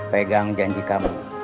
pegang janji kamu